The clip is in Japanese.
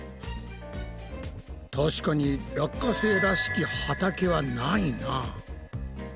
確かに落花生らしき畑はないな。